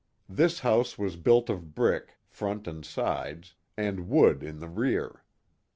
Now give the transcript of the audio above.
This house was built of brick, front and sides, and wood in the rear.